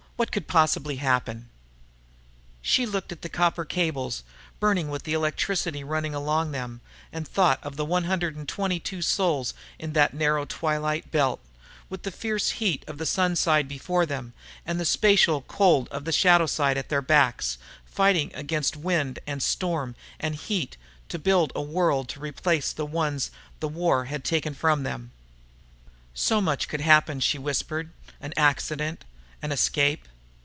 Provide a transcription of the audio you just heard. What could possibly happen?" She looked at the copper cables, burning with the electricity running along them, and thought of the one hundred and twenty two souls in that narrow Twilight Belt with the fierce heat of the Sunside before them and the spatial cold of the Shadow side at their backs, fighting against wind and storm and heat to build a world to replace the ones the War had taken from them. "So much could happen," she whispered. "An accident, an escape...."